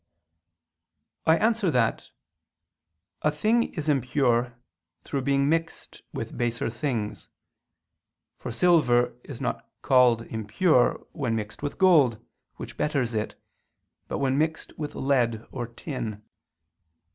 I answer that, A thing is impure through being mixed with baser things: for silver is not called impure, when mixed with gold, which betters it, but when mixed with lead or tin.